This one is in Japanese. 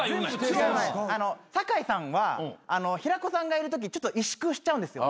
酒井さんは平子さんがいるときちょっと萎縮しちゃうんですよ。